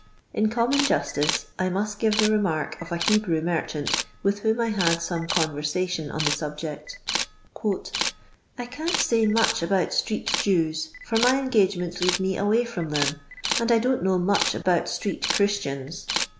In common justice I must give the remark of a Hebrew mer chant with whom I had some conversation on the subject :—*' I can't say much about street Jews, for my engagements lead me away from them, and I don't know much about street Christians.